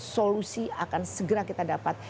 solusi akan segera kita dapat